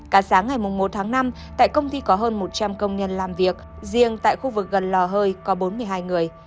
cả sáng ngày một tháng năm tại công ty có hơn một trăm linh công nhân làm việc riêng tại khu vực gần lò hơi có bốn mươi hai người